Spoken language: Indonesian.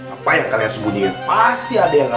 apa yang kalian sembunyikan pasti ada yang